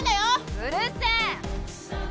うるせえ！